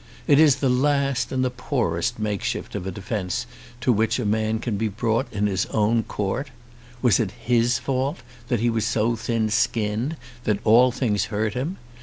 It is the last and the poorest makeshift of a defence to which a man can be brought in his own court! Was it his fault that he was so thin skinned that all things hurt him?